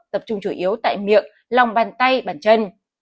tập trung chủ yếu tại miệng lòng bàn tay bàn chân